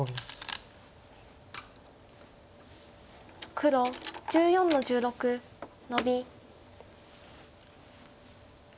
黒１４の十六ノビ。